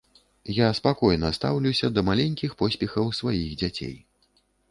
Я спакойна стаўлюся да маленькіх поспехаў сваіх дзяцей.